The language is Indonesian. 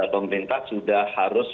pemerintah sudah harus